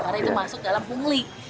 karena itu masuk dalam bungli